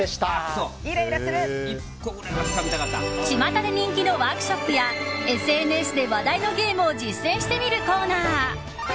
ちまたで人気のワークショップやＳＮＳで話題のゲームを実践してみるコーナー